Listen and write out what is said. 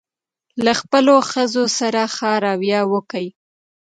له خپلو ښځو سره ښه راویه وکوئ.